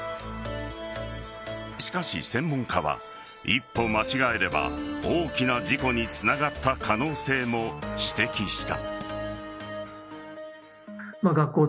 しかし、専門家は一歩間違えれば大きな事故につながった可能性も指摘した。